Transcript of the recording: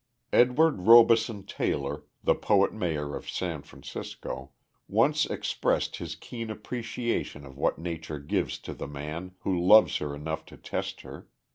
Edward Robeson Taylor, the poet mayor of San Francisco, once expressed his keen appreciation of what Nature gives to the man who loves her enough to test her.